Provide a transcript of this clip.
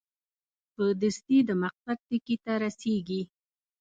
په دستي د مقصد ټکي ته رسېږي.